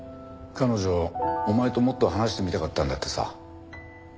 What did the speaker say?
彼女お前ともっと話してみたかったんだってさ。